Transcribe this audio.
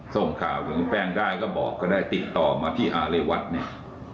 ส่งข่าวถึงแป้งได้ก็บอกก็ได้ติดต่อมาที่หาเรวัตเนี่ย